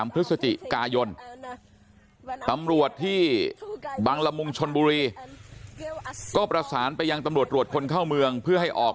พฤศจิกายนตำรวจที่บังละมุงชนบุรีก็ประสานไปยังตำรวจตรวจคนเข้าเมืองเพื่อให้ออก